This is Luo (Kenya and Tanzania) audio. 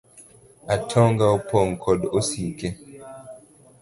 Atong'a opong kod osike .